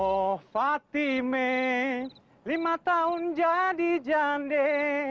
oh fatime lima tahun jadi jande